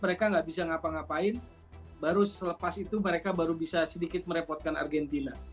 mereka nggak bisa ngapa ngapain baru selepas itu mereka baru bisa sedikit merepotkan argentina